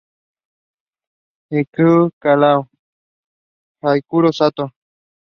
Hikaru Sato